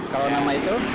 kalau nama itu